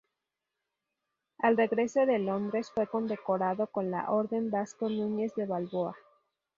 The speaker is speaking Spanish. Al regreso de Londres, fue condecorado con la "Orden Vasco Núñez de Balboa".